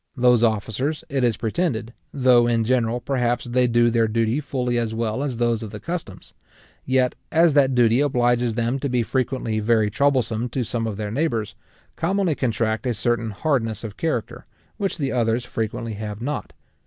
Those officers, it is pretended, though in general, perhaps, they do their duty fully as well as those of the customs; yet, as that duty obliges them to be frequently very troublesome to some of their neighbours, commonly contract a certain hardness of character, which the others frequently have not.